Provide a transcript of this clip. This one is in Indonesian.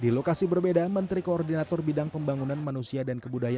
di lokasi berbeda menteri koordinator bidang pembangunan manusia dan kebudayaan